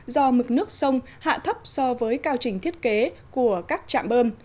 do mực nước sông hạ thấp so với cao trình thiết kế của các trạm bơm